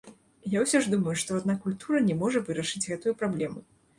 Я ўсё ж думаю, што адна культура не можа вырашыць гэтую праблему.